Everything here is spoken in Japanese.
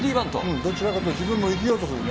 どちらかというと自分も生きようとするね。